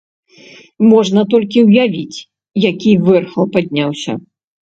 Можна толькі ўявіць, які вэрхал падняўся.